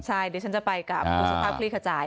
ใช่เดี๋ยวฉันจะไปกับคุณสุภาพคลี่ขจาย